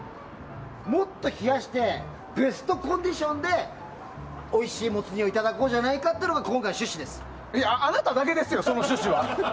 もっと冷やしてベストコンディションでおいしいモツ煮をいただこうじゃないかというのがあなただけですよ、その趣旨は。